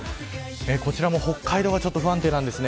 こちらも北海道はちょっと不安定です。